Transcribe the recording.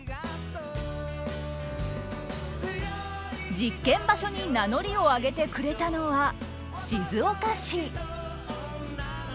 実験場所に名乗りを上げてくれたのは静岡市。